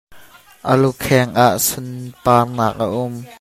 A lukheng ah sunparnak a um.